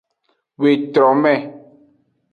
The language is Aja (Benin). Wetrome.